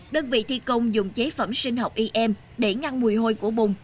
đơn vị thi công dùng chế phẩm sinh học ym để ngăn mùi hôi của bùng